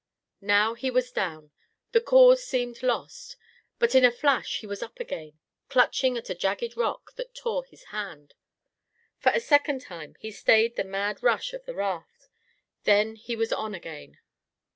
Now he was down; the cause seemed lost. But in a flash he was up again, clutching at a jagged rock that tore his hand. For a second time he stayed the mad rush of the raft. Then he was on again.